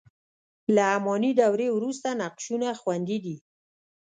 له اماني دورې وروسته نقشونه خوندي دي.